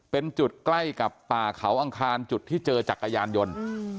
เป็นจุดใกล้กับป่าเขาอังคารจุดที่เจอจักรยานยนต์